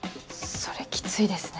それキツいですね。